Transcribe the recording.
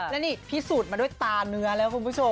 แล้วนี่พิสูจน์มาด้วยตาเนื้อแล้วคุณผู้ชม